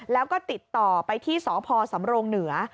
แล้วก็ติดต่อไปที่สพสำรงเหนือ